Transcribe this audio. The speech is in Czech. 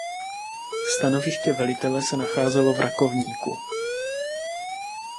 Stanoviště velitele se nacházelo v Rakovníku.